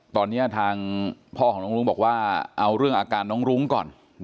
ตอนนี้ทางพ่อของน้องรุ้งบอกว่าเอาเรื่องอาการน้องรุ้งก่อน